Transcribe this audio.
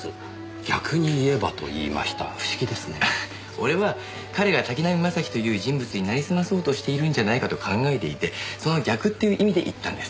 俺は彼が滝浪正輝という人物になりすまそうとしているんじゃないかと考えていてその逆っていう意味で言ったんです。